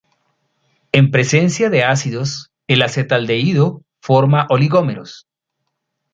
En presencia de ácidos el acetaldehído forma oligómeros.